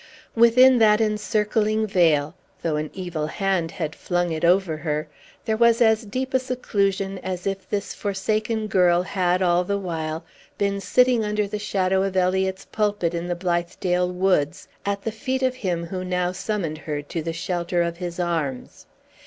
Within that encircling veil, though an evil hand had flung it over her, there was as deep a seclusion as if this forsaken girl had, all the while, been sitting under the shadow of Eliot's pulpit, in the Blithedale woods, at the feet of him who now summoned her to the shelter of his arms.